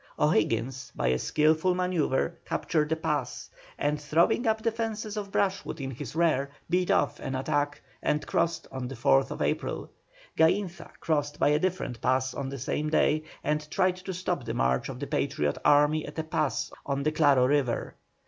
O'Higgins, by a skilful manœuvre, captured a pass, and throwing up defences of brushwood in his rear, beat off an attack, and crossed on the 4th April. Gainza crossed by a different pass on the same day, and tried to stop the march of the Patriot army at a pass on the Claro River.